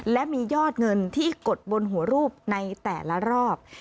และมียอดเงินที่กดบนหัวรูปในแต่ละรอบ